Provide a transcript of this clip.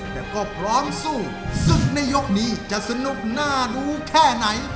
แต่ก็พร้อมสู้ศึกในยกนี้จะสนุกน่ารู้แค่ไหน